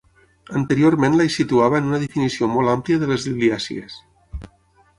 Anteriorment la hi situava en una definició molt àmplia de les liliàcies.